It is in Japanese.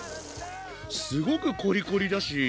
すごくコリコリだし